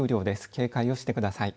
警戒してください。